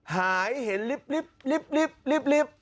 หายเห็นลิฟท์ลิฟท์ลิฟท์